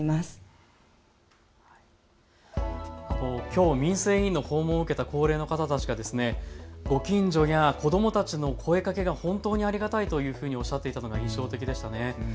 きょう、民生委員の訪問を受けた高齢の方たちがご近所や子どもたちの声かけが本当にありがたいとおっしゃっていたのが印象的でした。